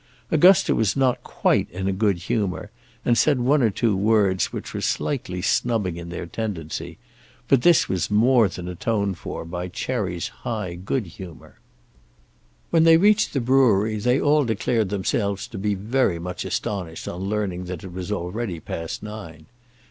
Augusta was not quite in a good humour, and said one or two words which were slightly snubbing in their tendency; but this was more than atoned for by Cherry's high good humour. When they reached the brewery they all declared themselves to be very much astonished on learning that it was already past nine.